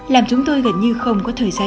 làm chúng tôi gần như không có thời gian